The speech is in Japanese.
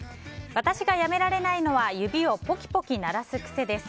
私がやめられないのは指をポキポキ鳴らす癖です。